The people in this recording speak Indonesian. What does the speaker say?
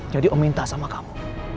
jadi om minta sama kamu